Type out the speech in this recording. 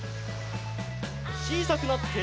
ちいさくなって。